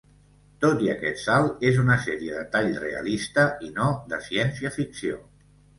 Tot i aquest salt, és una sèrie de tall realista i no de ciència-ficció.